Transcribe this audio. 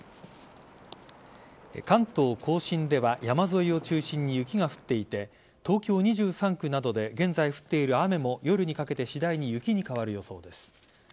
関東甲信では山沿いを中心に雪が降っていて東京２３区などで現在降っている雨も夜にかけて次第に雪に変わる予想です。